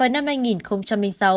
vào năm hai nghìn một mươi sáu